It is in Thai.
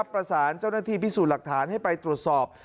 ประสานเจ้าหน้าที่พิสูจน์หลักฐานให้ไปตรวจสอบ